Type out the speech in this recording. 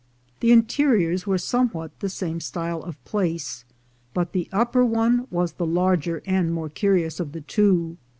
The interiors were somewhat the same style of place, but the upper one was the larger and more curious of the two.